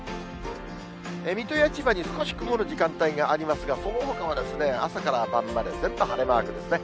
水戸や千葉に少し曇る時間帯がありますが、そのほかは朝から晩まで全部晴れマークですね。